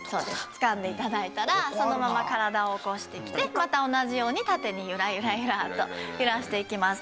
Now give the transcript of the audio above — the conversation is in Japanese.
つかんで頂いたらそのまま体を起こしてきてまた同じように縦にゆらゆらゆらっと揺らしていきます。